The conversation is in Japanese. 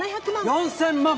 ４，０００万。